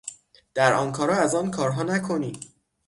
در آنکارا از آن کارها نکنی